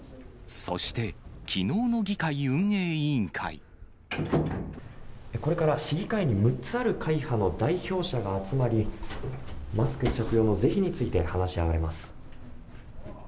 そして、きのうの議会運営委これから市議会に６つある会派の代表者が集まり、マスク着用の是非について話し合われます。